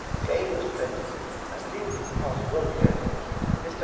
Game was plenty and leaving his party well cared for, ]\Ir.